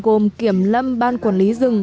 gồm kiểm lâm ban quản lý rừng